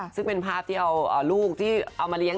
ซึ่งเป็นภาพที่เอาลูกที่เอามาเลี้ยง